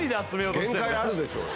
限界あるでしょ。